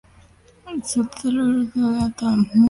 Fue autor de varias glosas en el "Talmud".